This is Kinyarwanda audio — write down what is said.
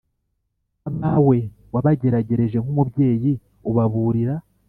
Abawe wabagerageje nk’umubyeyi ubaburira,